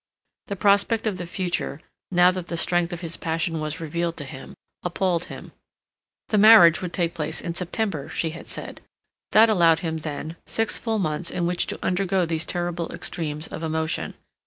The prospect of the future, now that the strength of his passion was revealed to him, appalled him. The marriage would take place in September, she had said; that allowed him, then, six full months in which to undergo these terrible extremes of emotion.